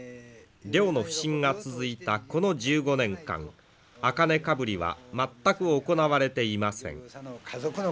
漁の不振が続いたこの１５年間茜かぶりは全く行われていません。